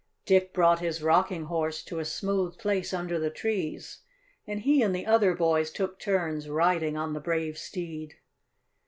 Dick brought his Rocking Horse to a smooth place under the trees, and he and the other boys took turns riding on the brave steed.